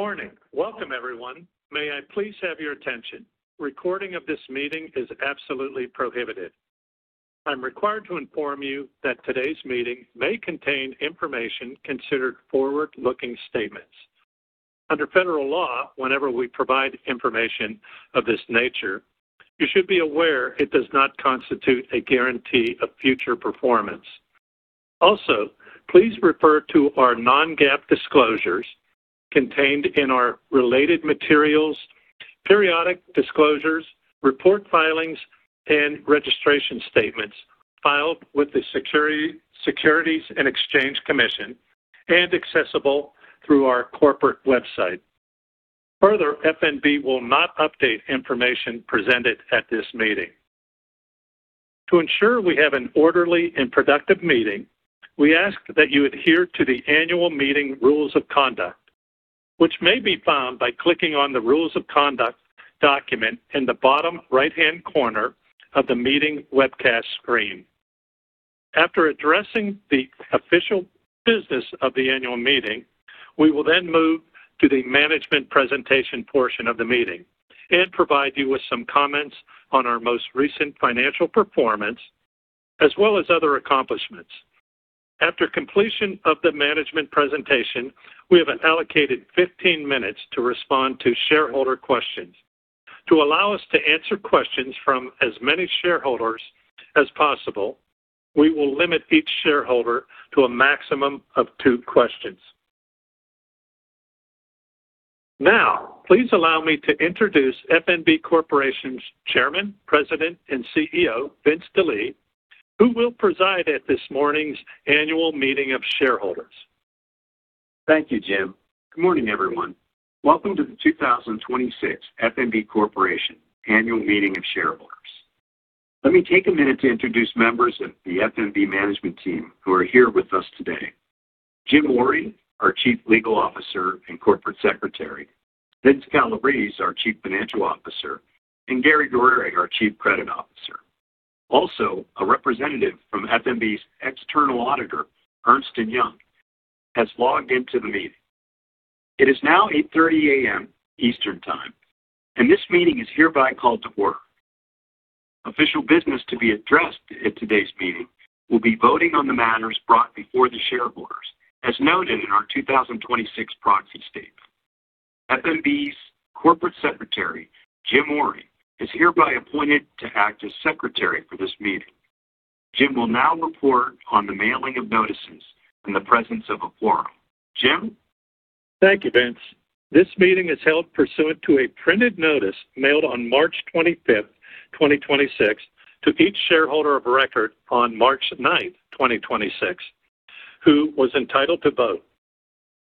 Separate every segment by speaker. Speaker 1: Good morning. Welcome, everyone. May I please have your attention? Recording of this meeting is absolutely prohibited. I'm required to inform you that today's meeting may contain information considered forward-looking statements. Under federal law, whenever we provide information of this nature, you should be aware it does not constitute a guarantee of future performance. Also, please refer to our non-GAAP disclosures contained in our related materials, periodic disclosures, report filings, and registration statements filed with the Securities and Exchange Commission and accessible through our corporate website. Further, FNB will not update information presented at this meeting. To ensure we have an orderly and productive meeting, we ask that you adhere to the annual meeting rules of conduct, which may be found by clicking on the Rules of Conduct Document in the bottom right-hand corner of the meeting webcast screen. After addressing the official business of the annual meeting, we will then move to the management presentation portion of the meeting and provide you with some comments on our most recent financial performance as well as other accomplishments. After completion of the management presentation, we have allocated 15 minutes to respond to shareholder questions. To allow us to answer questions from as many shareholders as possible, we will limit each shareholder to a maximum of 2 questions. Now, please allow me to introduce F.N.B. Corporation's Chairman, President, and CEO, Vince Delie, who will preside at this morning's Annual Meeting of Shareholders.
Speaker 2: Thank you, Jim. Good morning, everyone. Welcome to the 2026 F.N.B. Corporation Annual Meeting of Shareholders. Let me take a minute to introduce members of the FNB management team who are here with us today. Jim Orie, our Chief Legal Officer and Corporate Secretary, Vince Calabrese, our Chief Financial Officer, and Gary Guerrieri, our Chief Credit Officer. Also, a representative from FNB's external auditor, Ernst & Young, has logged into the meeting. It is now 8:30 A.M. Eastern Time, and this meeting is hereby called to order. Official business to be addressed at today's meeting will be voting on the matters brought before the shareholders, as noted in our 2026 proxy statement. FNB's Corporate Secretary, Jim Orie, is hereby appointed to act as Secretary for this meeting. Jim will now report on the mailing of notices and the presence of a quorum. Jim?
Speaker 1: Thank you, Vince. This meeting is held pursuant to a printed notice mailed on March 25th, 2026 to each shareholder of record on March 9th, 2026, who was entitled to vote.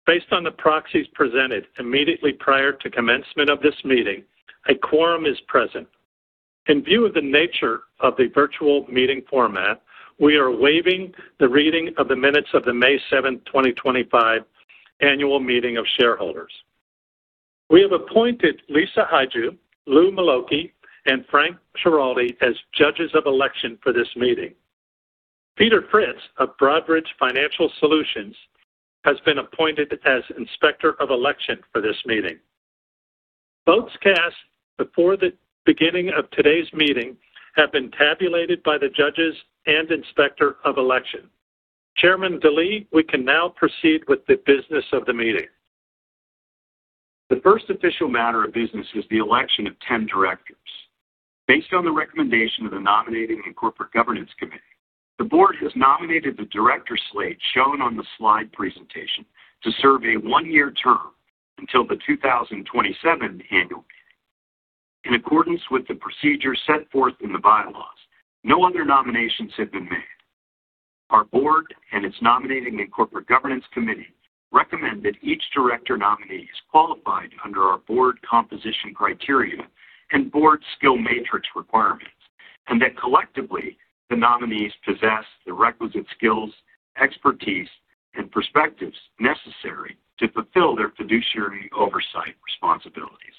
Speaker 1: Based on the proxies presented immediately prior to commencement of this meeting, a quorum is present. In view of the nature of the virtual meeting format, we are waiving the reading of the minutes of the May 7th, 2025 annual meeting of shareholders. We have appointed Lisa Hajdu, Lou Miloki, and Frank Schiraldi as judges of election for this meeting. Peter Fritz of Broadridge Financial Solutions has been appointed as inspector of election for this meeting. Votes cast before the beginning of today's meeting have been tabulated by the judges and inspector of election. Chairman Delie, we can now proceed with the business of the meeting.
Speaker 2: The first official matter of business is the election of 10 directors. Based on the recommendation of the Nominating and Corporate Governance Committee, the board has nominated the director slate shown on the slide presentation to serve a one-year term until the 2027 annual meeting. In accordance with the procedure set forth in the bylaws, no other nominations have been made. Our board and its Nominating and Corporate Governance Committee recommend that each director nominee is qualified under our board composition criteria and board skill matrix requirements, and that collectively, the nominees possess the requisite skills, expertise, and perspectives necessary to fulfill their fiduciary oversight responsibilities.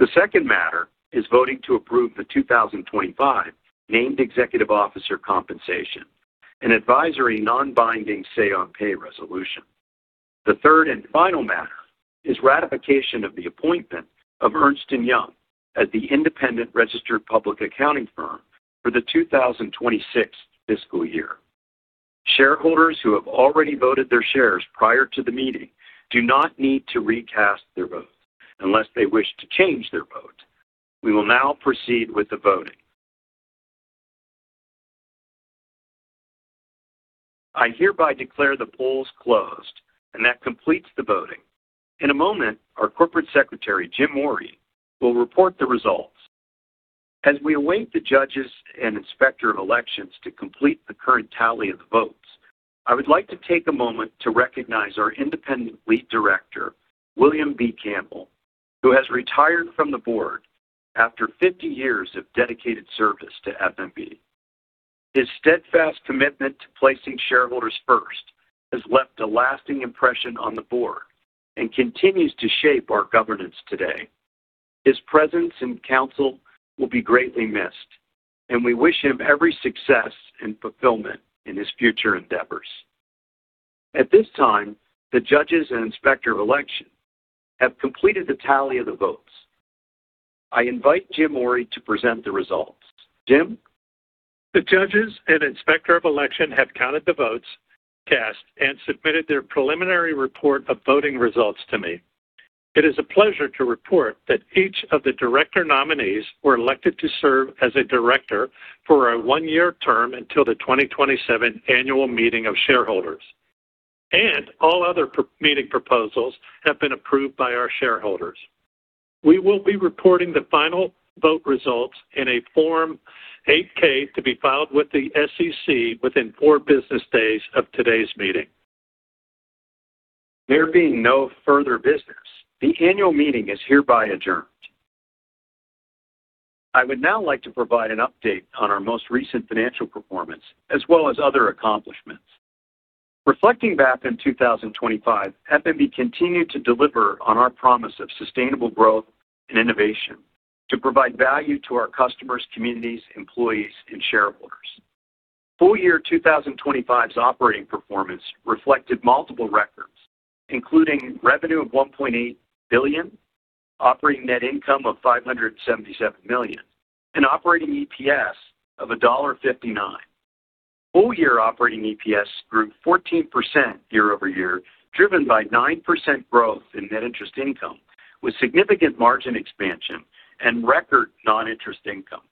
Speaker 2: The second matter is voting to approve the 2025 named executive officer compensation, an advisory, non-binding say on pay resolution. The third and final matter is ratification of the appointment of Ernst & Young as the independent registered public accounting firm for the 2026 fiscal year. Shareholders who have already voted their shares prior to the meeting do not need to recast their vote unless they wish to change their vote. We will now proceed with the voting. I hereby declare the polls closed, and that completes the voting. In a moment, our Corporate Secretary, Jim Orie, will report the results. As we await the judges and inspector of election to complete the current tally of the votes, I would like to take a moment to recognize our Independent Lead Director, William B. Campbell, who has retired from the board after 50 years of dedicated service to FNB. His steadfast commitment to placing shareholders first has left a lasting impression on the board and continues to shape our governance today. His presence and counsel will be greatly missed, and we wish him every success and fulfillment in his future endeavors. At this time, the judges and inspector of election have completed the tally of the votes. I invite Jim Orie to present the results. Jim?
Speaker 1: The judges and inspector of election have counted the votes cast and submitted their preliminary report of voting results to me. It is a pleasure to report that each of the director nominees were elected to serve as a director for a one-year term until the 2027 annual meeting of shareholders, and all other meeting proposals have been approved by our shareholders. We will be reporting the final vote results in a Form 8-K to be filed with the SEC within four business days of today's meeting.
Speaker 2: There being no further business, the annual meeting is hereby adjourned. I would now like to provide an update on our most recent financial performance as well as other accomplishments. Reflecting back on 2025, FNB continued to deliver on our promise of sustainable growth and innovation to provide value to our customers, communities, employees, and shareholders. Full year 2025's operating performance reflected multiple records, including revenue of $1.8 billion, operating net income of $577 million, and operating EPS of $1.59. Full year operating EPS grew 14% year-over-year, driven by 9% growth in net interest income with significant margin expansion and record non-interest income.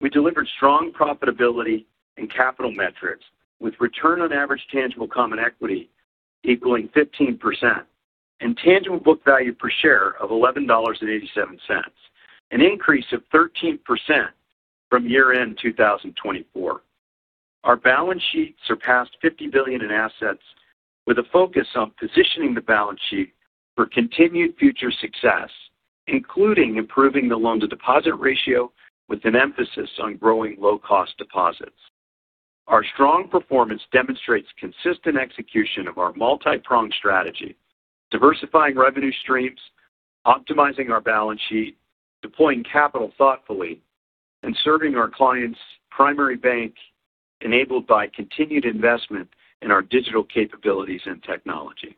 Speaker 2: We delivered strong profitability and capital metrics with return on average tangible common equity equaling 15% and tangible book value per share of $11.87, an increase of 13% from year end 2024. Our balance sheet surpassed $50 billion in assets with a focus on positioning the balance sheet for continued future success, including improving the loan-to-deposit ratio with an emphasis on growing low-cost deposits. Our strong performance demonstrates consistent execution of our multi-pronged strategy, diversifying revenue streams, optimizing our balance sheet, deploying capital thoughtfully, and serving our clients' primary bank enabled by continued investment in our digital capabilities and technology.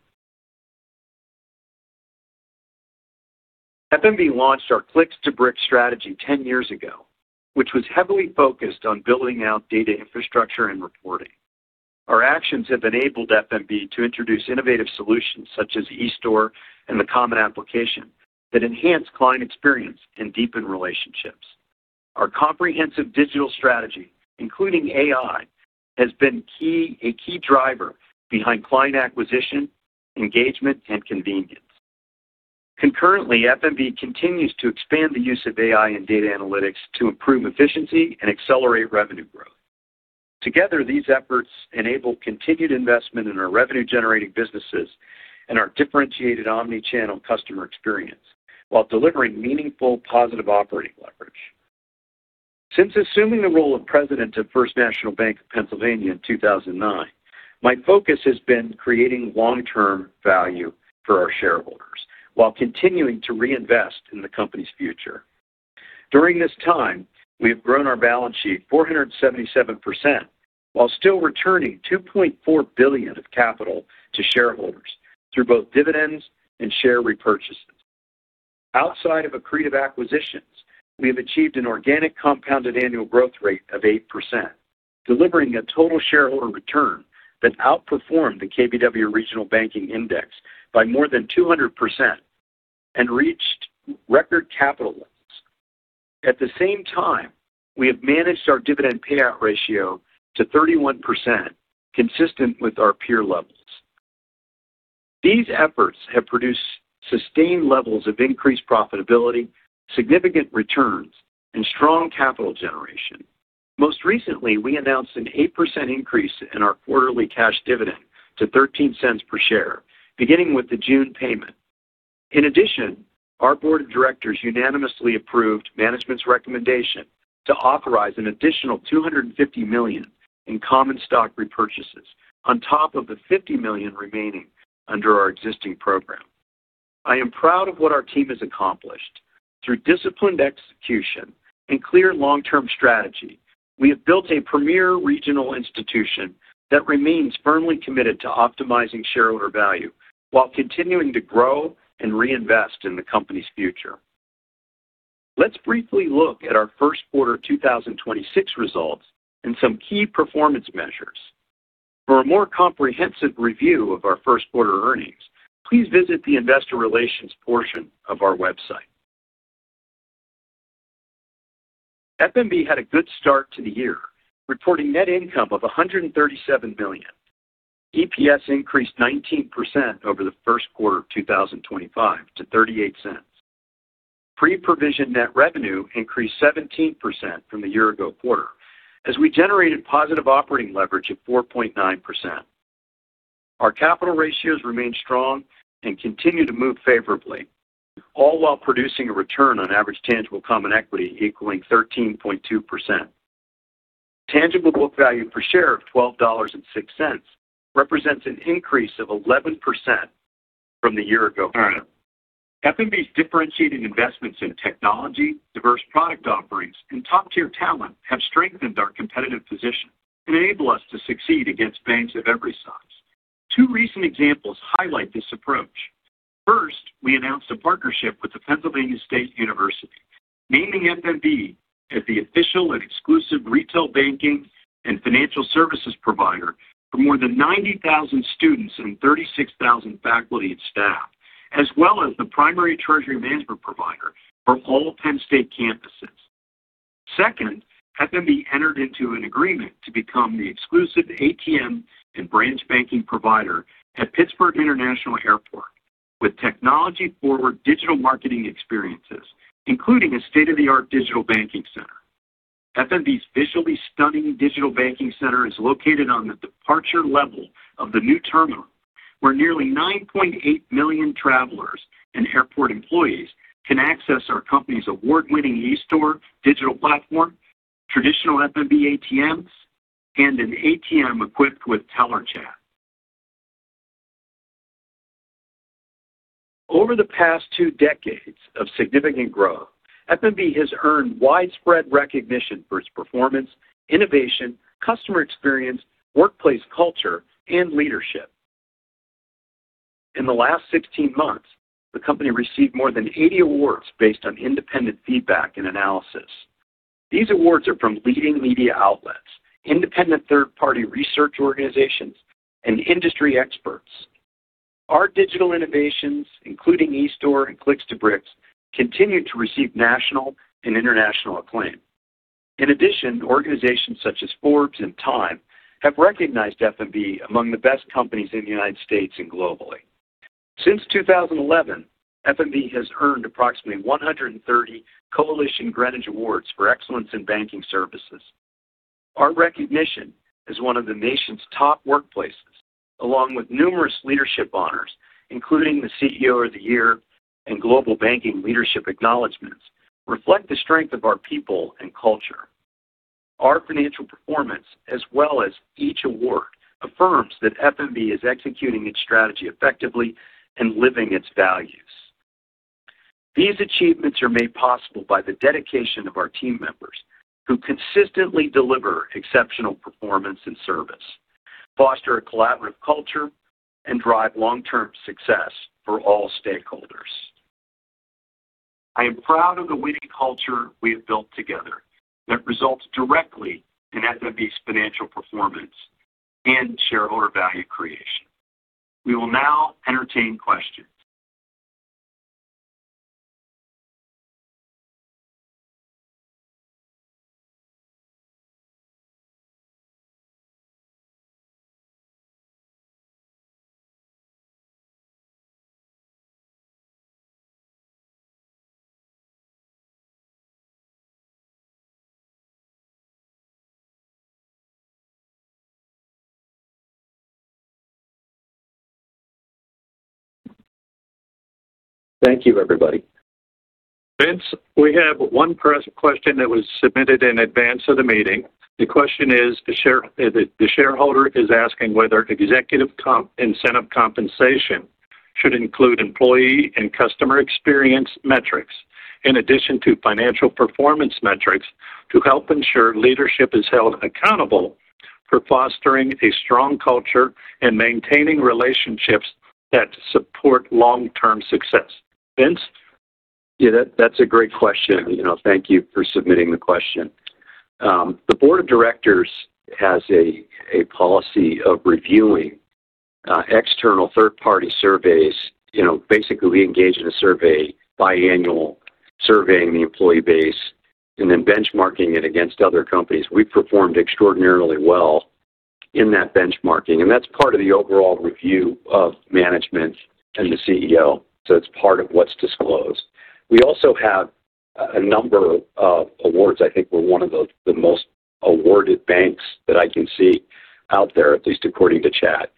Speaker 2: FNB launched our Clicks-to-Bricks strategy 10 years ago, which was heavily focused on building out data infrastructure and reporting. Our actions have enabled FNB to introduce innovative solutions such as eStore and the common application that enhance client experience and deepen relationships. Our comprehensive digital strategy, including AI, has been a key driver behind client acquisition, engagement, and convenience. Concurrently, FNB continues to expand the use of AI and data analytics to improve efficiency and accelerate revenue growth. Together, these efforts enable continued investment in our revenue-generating businesses and our differentiated omni-channel customer experience while delivering meaningful positive operating leverage. Since assuming the role of president of First National Bank of Pennsylvania in 2009, my focus has been creating long-term value for our shareholders while continuing to reinvest in the company's future. During this time, we have grown our balance sheet 477% while still returning $2.4 billion of capital to shareholders through both dividends and share repurchases. Outside of accretive acquisitions, we have achieved an organic compounded annual growth rate of 8%, delivering a total shareholder return that outperformed the KBW Regional Banking Index by more than 200% and reached record capital levels. At the same time, we have managed our dividend payout ratio to 31%, consistent with our peer levels. These efforts have produced sustained levels of increased profitability, significant returns, and strong capital generation. Most recently, we announced an 8% increase in our quarterly cash dividend to $0.13 per share, beginning with the June payment. In addition, our board of directors unanimously approved management's recommendation to authorize an additional $250 million in common stock repurchases on top of the $50 million remaining under our existing program. I am proud of what our team has accomplished. Through disciplined execution and clear long-term strategy, we have built a premier regional institution that remains firmly committed to optimizing shareholder value while continuing to grow and reinvest in the company's future. Let's briefly look at our first quarter 2026 results and some key performance measures. For a more comprehensive review of our first quarter earnings, please visit the investor relations portion of our website. FNB had a good start to the year, reporting net income of $137 million. EPS increased 19% over the first quarter of 2025 to $0.38. Pre-provision net revenue increased 17% from the year ago quarter as we generated positive operating leverage of 4.9%. Our capital ratios remain strong and continue to move favorably, all while producing a return on average tangible common equity equaling 13.2%. Tangible book value per share of $12.06 represents an increase of 11% from the year ago period. FNB's differentiating investments in technology, diverse product offerings, and top-tier talent have strengthened our competitive position and enable us to succeed against banks of every size. Two recent examples highlight this approach. First, we announced a partnership with the Pennsylvania State University, naming FNB as the official and exclusive retail banking and financial services provider for more than 90,000 students and 36,000 faculty and staff, as well as the primary treasury management provider for all Penn State campuses. Second, FNB entered into an agreement to become the exclusive ATM and branch banking provider at Pittsburgh International Airport with technology-forward digital marketing experiences, including a state-of-the-art digital banking center. FNB's visually stunning digital banking center is located on the departure level of the new terminal, where nearly 9.8 million travelers and airport employees can access our company's award-winning eStore digital platform, traditional FNB ATMs, and an ATM equipped with TellerChat. Over the past two decades of significant growth, FNB has earned widespread recognition for its performance, innovation, customer experience, workplace culture, and leadership. In the last 16 months, the company received more than 80 awards based on independent feedback and analysis. These awards are from leading media outlets, independent third-party research organizations, and industry experts. Our digital innovations, including eStore and Clicks-to-Bricks, continue to receive national and international acclaim. In addition, organizations such as Forbes and Time have recognized FNB among the best companies in the United States and globally. Since 2011, FNB has earned approximately 130 Coalition Greenwich Awards for Excellence in Banking Services. Our recognition as one of the nation's top workplaces, along with numerous leadership honors, including the CEO of the Year and Global Banking Leadership acknowledgments, reflect the strength of our people and culture. Our financial performance, as well as each award, affirms that FNB is executing its strategy effectively and living its values. These achievements are made possible by the dedication of our team members, who consistently deliver exceptional performance and service, foster a collaborative culture, and drive long-term success for all stakeholders. I am proud of the winning culture we have built together that results directly in FNB's financial performance and shareholder value creation. We will now entertain questions. Thank you, everybody.
Speaker 1: Vince, we have one press question that was submitted in advance of the meeting. The question is, the shareholder is asking whether executive incentive compensation should include employee and customer experience metrics in addition to financial performance metrics to help ensure leadership is held accountable for fostering a strong culture and maintaining relationships that support long-term success. Vince?
Speaker 2: Yeah, that's a great question. You know, thank you for submitting the question. The board of directors has a policy of reviewing external third-party surveys. You know, basically, we engage in a survey, biannual surveying the employee base, and then benchmarking it against other companies. We performed extraordinarily well in that benchmarking, and that's part of the overall review of management and the CEO. It's part of what's disclosed. We also have a number of awards. I think we're one of the most awarded banks that I can see out there, at least according to Chad,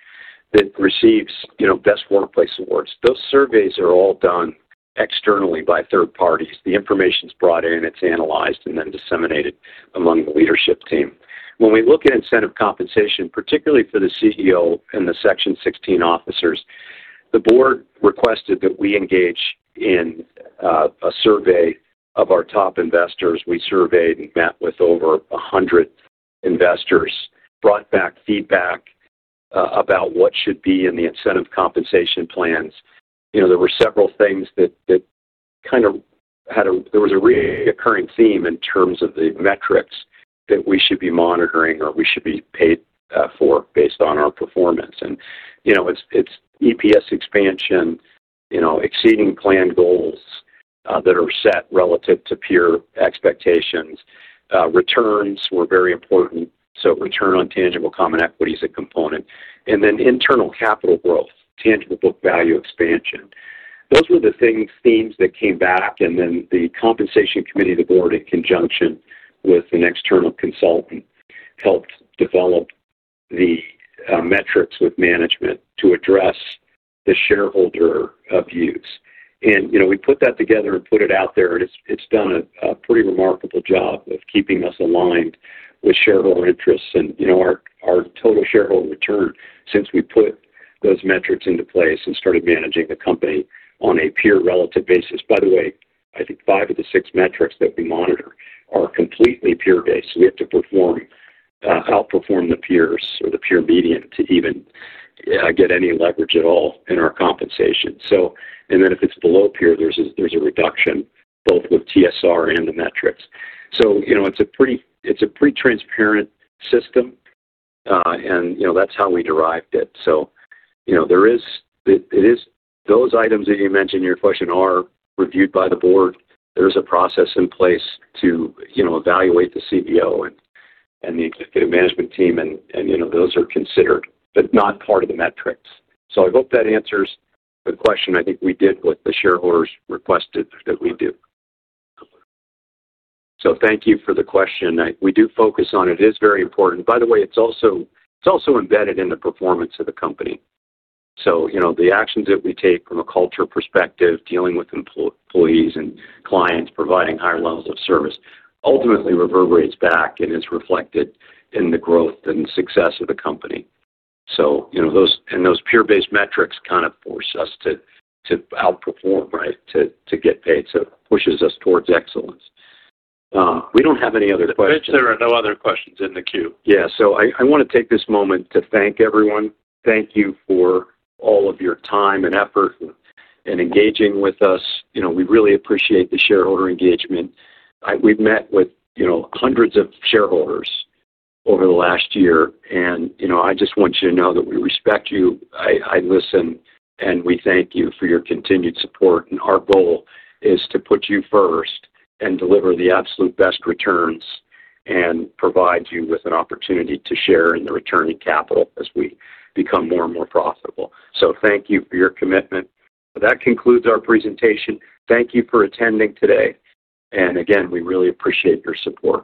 Speaker 2: that receives, you know, Best Workplace awards. Those surveys are all done externally by third parties. The information's brought in, it's analyzed, and then disseminated among the leadership team. When we look at incentive compensation, particularly for the CEO and the Section 16 officers, the board requested that we engage in a survey of our top investors. We surveyed and met with over 100 investors, brought back feedback about what should be in the incentive compensation plans. You know, there were several things that kind of had a recurring theme in terms of the metrics that we should be monitoring or we should be paid for based on our performance. You know, it's EPS expansion, you know, exceeding plan goals that are set relative to peer expectations. Returns were very important, so return on average tangible common equity is a component. Internal capital growth, tangible book value per share expansion. Those were the things, themes that came back, then the compensation committee of the board, in conjunction with an external consultant, helped develop the metrics with management to address the shareholder views. You know, we put that together and put it out there, and it's done a pretty remarkable job of keeping us aligned with shareholder interests. You know, our total shareholder return since we put those metrics into place and started managing the company on a peer relative basis. By the way, I think five of the six metrics that we monitor are completely peer-based. We have to perform, outperform the peers or the peer median to even get any leverage at all in our compensation. Then if it's below peer, there's a reduction both with TSR and the metrics. You know, it's a pretty, it's a pretty transparent system, you know, that's how we derived it. You know, those items that you mentioned in your question are reviewed by the board. There is a process in place to, you know, evaluate the CEO and the executive management team and, you know, those are considered, but not part of the metrics. I hope that answers the question. I think we did what the shareholders requested that we do. Thank you for the question. We do focus on it. It is very important. By the way, it's also embedded in the performance of the company. You know, the actions that we take from a culture perspective, dealing with employees and clients, providing higher levels of service, ultimately reverberates back and is reflected in the growth and success of the company. You know, those peer-based metrics kind of force us to outperform, right, to get paid, so it pushes us towards excellence. We don't have any other questions.
Speaker 1: Vince, there are no other questions in the queue.
Speaker 2: Yeah. I want to take this moment to thank everyone. Thank you for all of your time and effort and engaging with us. You know, we really appreciate the shareholder engagement. We've met with, you know, hundreds of shareholders over the last year and, you know, I just want you to know that we respect you. I listen, and we thank you for your continued support. Our goal is to put you first and deliver the absolute best returns and provide you with an opportunity to share in the return in capital as we become more and more profitable. Thank you for your commitment. That concludes our presentation. Thank you for attending today. Again, we really appreciate your support.